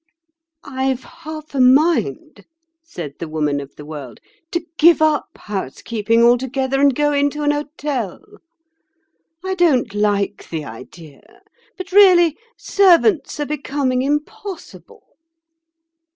"I've half a mind," said the Woman of the World, "to give up housekeeping altogether and go into an hotel. I don't like the idea, but really servants are becoming impossible."